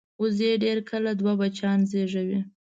وزې ډېر کله دوه بچیان زېږوي